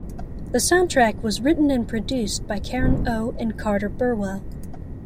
The soundtrack was written and produced by Karen O and Carter Burwell.